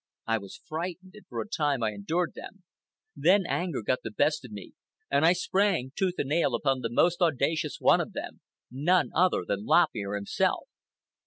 I was frightened, and for a time I endured them, then anger got the best of me and I sprang tooth and nail upon the most audacious one of them—none other than Lop Ear himself.